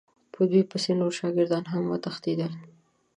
په دوی پسې نور شاګردان هم وتښتېدل.